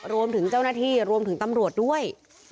รวมถึงเจ้าหน้าที่รวมถึงตำรวจด้วย